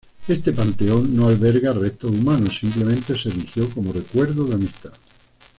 Este panteón no alberga restos humanos, simplemente se erigió como recuerdo de amistad.